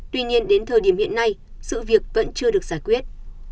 tuy nhiên đến thời điểm hiện nay sự việc vẫn chưa được giải quyết